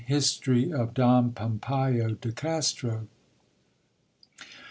— History of Don Pompeyo de Castro.